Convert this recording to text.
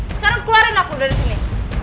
sekarang keluarin aku dari sini